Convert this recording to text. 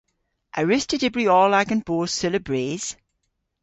A wruss'ta dybri oll agan boos seulabrys?